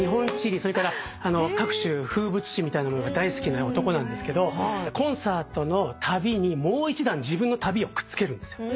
それから各種風物詩みたいなものが大好きな男なんですけどコンサートのたびにもう一段自分の旅をくっつけるんですよ。